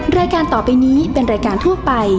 รายการต่อไปนี้เป็นรายการทั่วไป